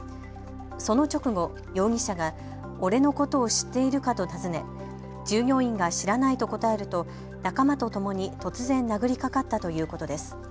その直後、容疑者が俺のことを知っているかと尋ね従業員が知らないと答えると仲間とともに突然、殴りかかったということです。